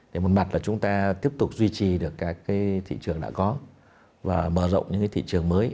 để một mặt là chúng ta tiếp tục duy trì được các cái thị trường đã có và mở rộng những cái thị trường mới